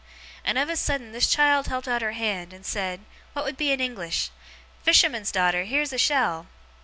And of a sudden this child held out her hand, and said, what would be in English, "Fisherman's daughter, here's a shell!"